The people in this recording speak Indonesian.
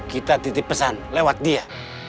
kita titip pesan lewat dia